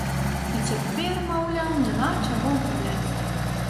І цяпер, маўляў, няма чаго губляць.